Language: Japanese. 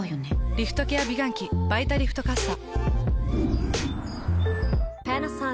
リフトケア美顔器「バイタリフトかっさ」。